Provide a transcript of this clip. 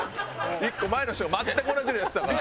１個前の人が全く同じのやってたから。